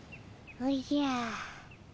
おじゃ。